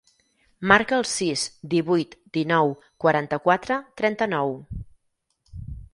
Marca el sis, divuit, dinou, quaranta-quatre, trenta-nou.